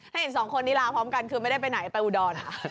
เห็นสองคนนี้ลาพร้อมกันคือไม่ได้ไปไหนไปอุดร